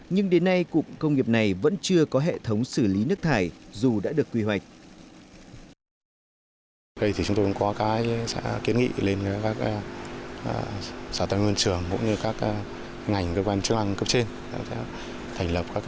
nhưng đến nay cụm công nghiệp này vẫn chưa có hệ thống xử lý nước thải dù đã được quy hoạch